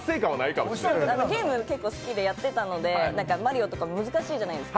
ゲーム、結構好きでやってたのでマリオとか難しいじゃないですか。